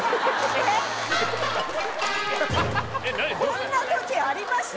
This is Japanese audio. こんな時ありました？